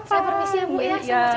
saya permisi ya bu ya